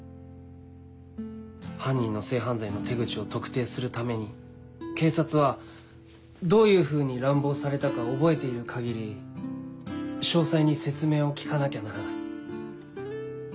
犯人の性犯罪の手口を特定するために警察はどういうふうに乱暴されたか覚えている限り詳細に説明を聞かなきゃならない。